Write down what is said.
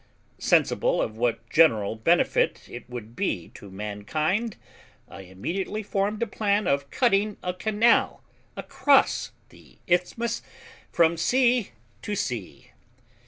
Sensible of what general benefit it would be to mankind, I immediately formed a plan of cutting a canal across the isthmus from sea to sea.